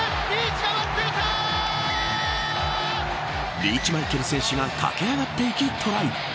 リーチマイケル選手が駆け上がっていきトライ。